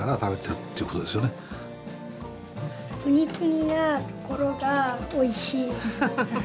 プニプニなところがおいしい。